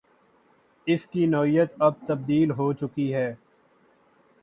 اس کی نوعیت اب تبدیل ہو چکی ہے۔